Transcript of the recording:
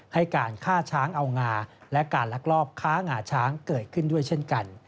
ให้การฆ่าช้างเอางาและการลักลอบค้างาช้างเกิดขึ้นด้วยเช่นกัน